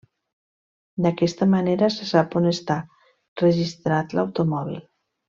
D'aquesta manera se sap on està registrat l'automòbil.